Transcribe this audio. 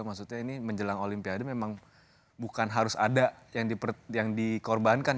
maksudnya ini menjelang olimpiade memang bukan harus ada yang dikorbankan